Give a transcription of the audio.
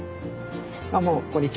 どうもこんにちは。